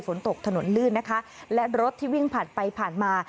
ฝนตกถนนลื่นนะคะและรถที่วิ่งผ่านไปผ่านมา